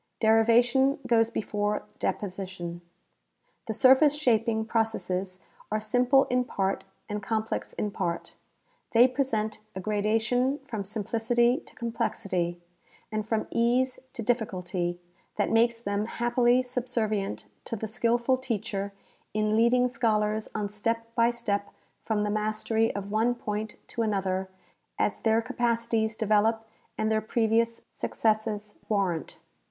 Derivation goes before deposition. •The surface shaping processes are simple in part and complex in part. They present a gradation from simplicity to complexity, and from ease to difficulty, that makes them happily subservient to the skillful teacher in leading scholars on step by step from the mastery of one point to another as their capacities develop and their previous successes warrant.